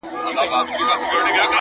د مسجد په منارو درپسې ژاړم!!